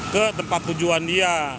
ke tempat tujuan dia